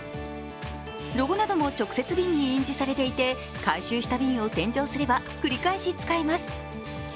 ロゴなども直接瓶に印字されていて、回収した瓶を洗浄すれば繰り返し使えます。